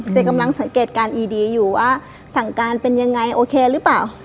กำลังสังเกตการอีดีอยู่ว่าสั่งการเป็นยังไงโอเคหรือเปล่า